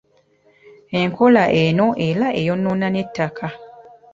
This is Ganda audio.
Enkola eno era eyonoona n'ettaka.